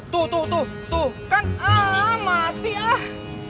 tuh tuh tuh tuh kan ah mati ah